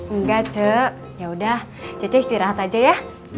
enggak c yaudah cece istirahat aja ya